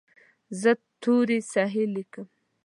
زه توري صحیح لیکم.